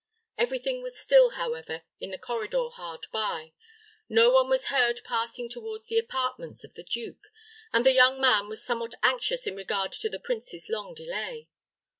Every thing was still, however, in the corridor hard by. No one was heard passing toward the apartments of the duke, and the young man was somewhat anxious in regard to the prince's long delay.